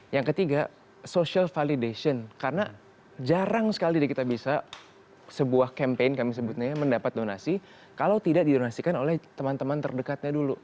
yang ketiga social validation karena jarang sekali di kitabisa sebuah campaign kami sebutnya mendapat donasi kalau tidak didonasikan oleh teman teman terdekatnya dulu